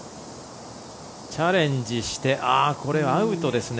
チャレンジしてアウトですね。